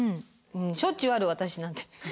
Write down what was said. しょっちゅうある私なんて。